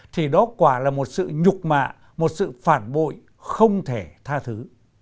thì đó quả là một sự nhục mạ một sự phản bội không thể tha thứ